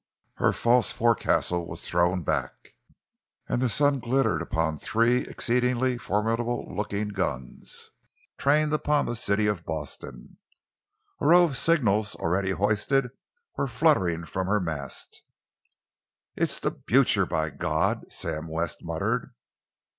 Her false forecastle was thrown back, and the sun glittered upon three exceedingly formidable looking guns, trained upon the City of Boston. A row of signals, already hoisted, were fluttering from her mast. "It's the Blucher, by God!" Sam West muttered.